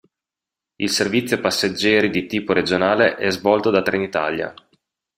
Il servizio passeggeri di tipo regionale è svolto da Trenitalia.